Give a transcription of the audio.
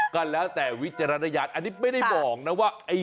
ก็แล้วแต่วิจารณญาณอันนี้ไม่ได้บอกนะว่า